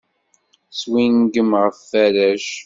Swingem ɣef warrac.